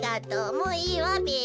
もういいわべ。